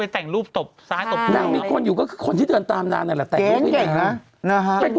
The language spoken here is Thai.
แต่อาย๋ไม่กล้าไปหาอำหรอก